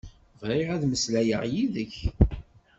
Bɣiɣ ad mmeslayeɣ yid-k.